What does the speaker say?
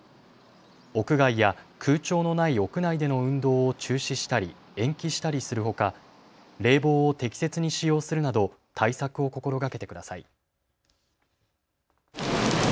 屋外や空調のない屋内での運動を中止したり延期したりするほか冷房を適切に使用するなど対策を心がけてください。